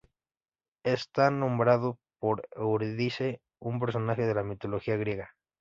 Está nombrado por Eurídice, un personaje de la mitología griega.